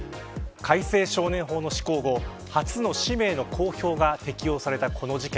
改正少年法の施行後初の氏名の公表が適用されたこの事件。